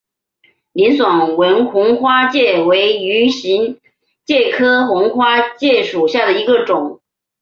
林爽文红花介为鱼形介科红花介属下的一个种。